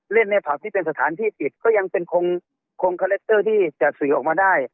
เล่นในผับที่เป็นสถานที่ปิดก็ยังเป็นคงคาแรคเตอร์ที่จัดสื่อออกมาได้